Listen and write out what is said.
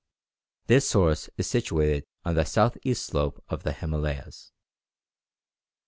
This source is situated on the south east slope of the Himalayas.